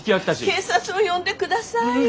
警察を呼んでください。